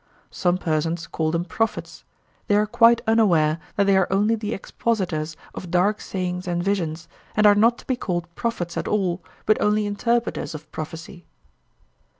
Some persons call them prophets; they are quite unaware that they are only the expositors of dark sayings and visions, and are not to be called prophets at all, but only interpreters of prophecy.